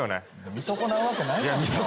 見損なうわけないやんか。